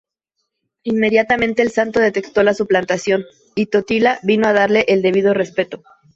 Inmediatamente el Santo detectó la suplantación, y Totila vino a darle el debido respeto.